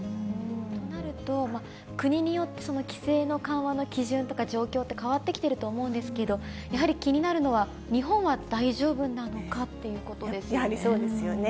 となると、国によって規制の緩和の基準とか状況って変わってきてると思うんですけど、やはり気になるのは、日本は大丈夫なのかということですよね。